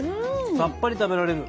さっぱり食べられる。